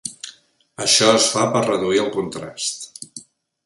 Això es fa per reduir el contrast.